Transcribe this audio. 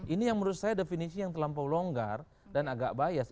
ini yang menurut saya definisi yang terlampau longgar dan agak bias